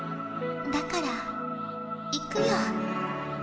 だから行くよ。